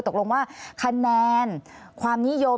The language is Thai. ตกลงว่าคะแนนความนิยม